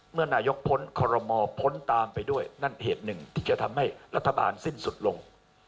เมื่อนายกพ้นคอรมอพ้นตามไปด้วยนั่นเหตุหนึ่งที่จะทำให้รัฐบาลสิ้นสุดลง